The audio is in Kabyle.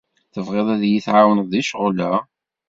Tebɣiḍ ad iyi-tɛawneḍ deg ccɣel-a?